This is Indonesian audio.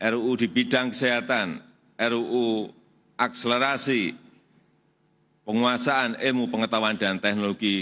ruu di bidang kesehatan ruu akselerasi penguasaan ilmu pengetahuan dan teknologi